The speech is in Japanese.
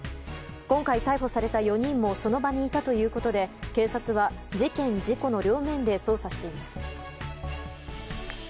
今回、逮捕された４人もその場にいたということで警察は事件・事故の両面で捜査しています。